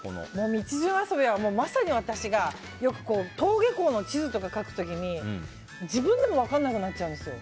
道順遊びは、まさに私がよく登下校の地図とか描く時に自分でも分からなくなっちゃうんですよ。